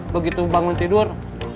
begitu bangun tidur